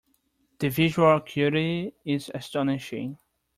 The visual acuity is astonishing.